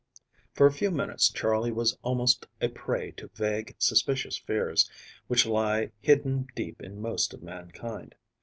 FOR a few minutes Charley was almost a prey to vague, suspicious fears, which lie hidden deep in most of mankind.